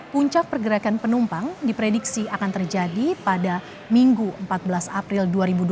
puncak pergerakan penumpang diprediksi akan terjadi pada minggu empat belas april dua ribu dua puluh